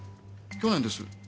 去年です。